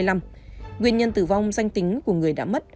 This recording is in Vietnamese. nguyên nhân tử vong danh tính của người đã mất